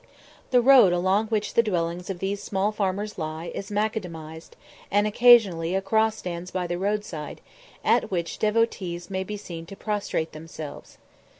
The road along which the dwellings of these small farmers lie is macadamised, and occasionally a cross stands by the roadside, at which devotees may be seen to prostrate themselves.